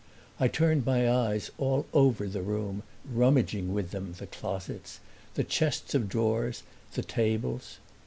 I turned my eyes all over the room, rummaging with them the closets, the chests of drawers, the tables.